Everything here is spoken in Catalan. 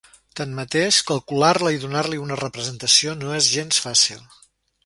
Tanmateix, calcular-la i donar-li una representació no és gens fàcil.